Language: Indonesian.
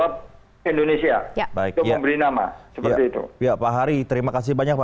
justru terdampak ya